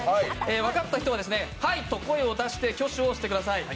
分かった人は「はい！」と声を出して挙手してください。